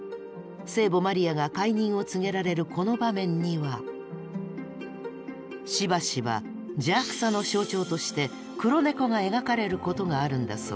聖母マリアが懐妊を告げられるこの場面にはしばしば邪悪さの象徴として黒猫が描かれることがあるんだそう。